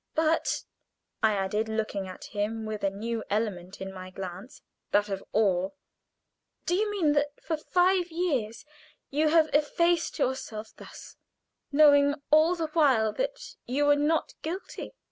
"But," I added, looking at him with a new element in my glance that of awe "do you mean that for five years you have effaced yourself thus, knowing all the while that you were not guilty?"